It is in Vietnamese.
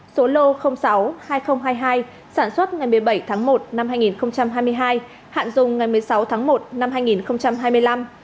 số lô sáu hai nghìn hai mươi hai sản xuất ngày một mươi bảy tháng một năm hai nghìn hai mươi hai hạn dùng ngày một mươi sáu tháng một năm hai nghìn hai mươi năm